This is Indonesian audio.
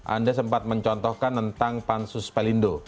anda sempat mencontohkan tentang pansus pelindo